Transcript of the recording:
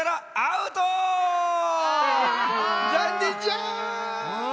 ざんねんじゃ。